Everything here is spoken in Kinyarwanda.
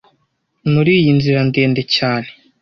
muri iyi nzira ndende cyane